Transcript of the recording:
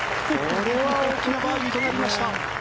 これは大きなバーディーとなりました。